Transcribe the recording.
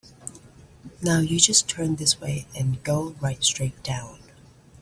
Now you just turn this way and go right straight down.